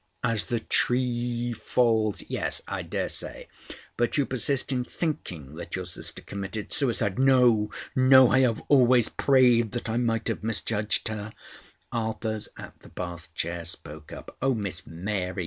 'As the tree falls—'" "Yes. I daresay. But you persist in thinking that your sister committed suicide—" "No! No! I have always prayed that I might have misjudged her." Arthurs at the bath chair spoke up: "Oh, Miss Mary!